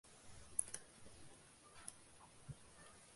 muzlatkichingizdagi yeguliklar bilan qiziqsa